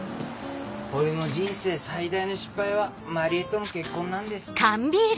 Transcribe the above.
俺の人生最大の失敗は万里江との結婚なんです。